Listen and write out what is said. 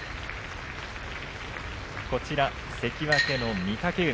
こちら関脇の御嶽海。